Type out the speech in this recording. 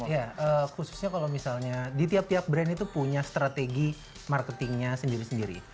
ya khususnya kalau misalnya di tiap tiap brand itu punya strategi marketingnya sendiri sendiri